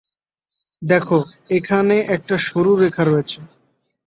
দেখো, এখানে একটা সরু রেখা রয়েছে।